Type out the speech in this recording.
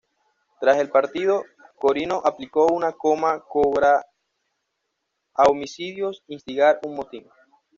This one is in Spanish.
Tras el partido, Corino aplicó una cama cobra a Homicidios, instigar un motín.